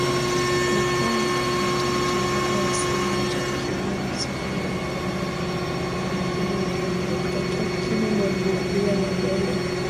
na kuwa matangazo ya saa moja kukiwemo muziki uliorekodiwa na vipindi mbalimbali kutokea mjini Monrovia Liberia